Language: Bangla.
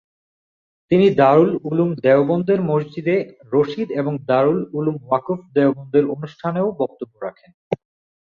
তিনি দারুল উলুম দেওবন্দের মসজিদে রশিদ এবং দারুল উলুম ওয়াকফ দেওবন্দের অনুষ্ঠানেও বক্তব্য রাখেন।